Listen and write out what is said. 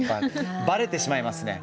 バレてしまいますね。